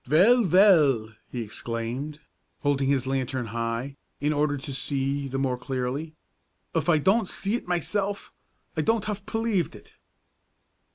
"Vell! vell!" he exclaimed, holding his lantern high, in order to see the more clearly, "uf I don't see it myself, I don't haf pelieved it."